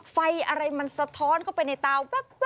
ไฟอะไรมันสะท้อนเข้าไปในตาแป๊บ